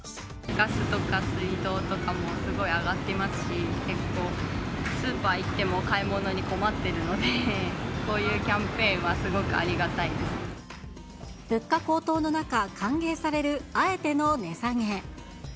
ガスとか水道とかもすごい上がっていますし、結構、スーパー行っても買い物に困ってるので、こういうキャンペーンはすごくあ物価高騰の中、歓迎される、あえての値下げ。